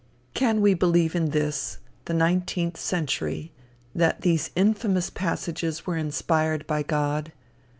Can we believe in this, the Nineteenth Century, that these infamous passages were inspired by God?